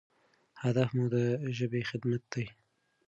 هدف مو د ژبې خدمت دی.